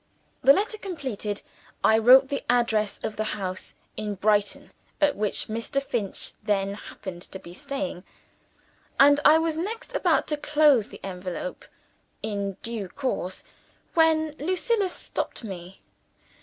The letter completed, I wrote the address of the house in Brighton at which Mr. Finch then happened to be staying; and I was next about to close the envelope in due course when Lucilla stopped me.